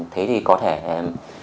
thế thì có thể em